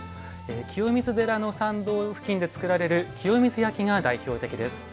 清水寺の参道付近で作られる清水焼が代表的です。